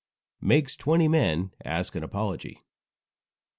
MAKES TWENTY MEN ASK AN APOLOGY.